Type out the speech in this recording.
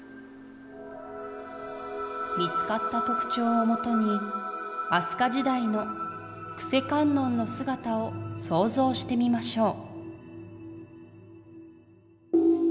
「見つかった特徴をもとに飛鳥時代の救世観音の姿を想像してみましょう」。